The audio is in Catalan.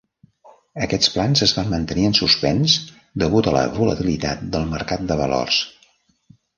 Aquests plans es van mantenir en suspens degut a la volatilitat del mercat de valors.